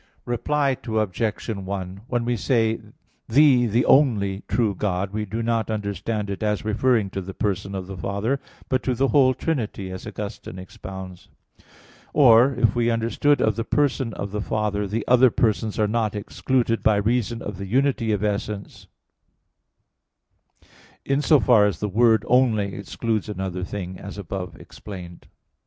Reply Obj. 1: When we say, "Thee the only true God," we do not understand it as referring to the person of the Father, but to the whole Trinity, as Augustine expounds (De Trin. vi, 9). Or, if understood of the person of the Father, the other persons are not excluded by reason of the unity of essence; in so far as the word "only" excludes another thing, as above explained.